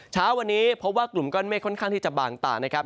เช้าวันนี้พบว่ากลุ่มก้อนเมฆค่อนข้างที่จะบางตานะครับ